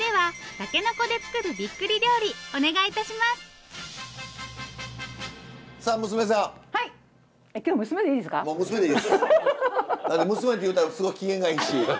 だって娘って言ったらすごい機嫌がいいし。